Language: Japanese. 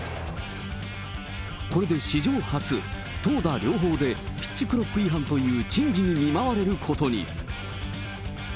これで史上初、投打両方でピッチクロック違反という珍事に見舞われることに。